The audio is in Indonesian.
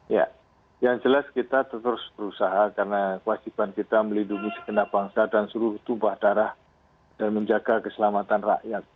ya yang jelas kita terus berusaha karena kewajiban kita melindungi segenap bangsa dan seluruh tumpah darah dan menjaga keselamatan rakyat